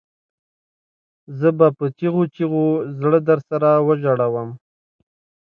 زه به په چیغو چیغو زړه درسره وژړوم